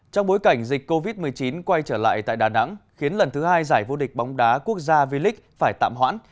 trong bối cảnh dịch covid một mươi chín quay trở lại tại đà nẵng khiến lần thứ hai giải vô địch bóng đá quốc gia v league phải tạm hoãn